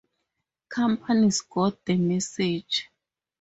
Companies got the message.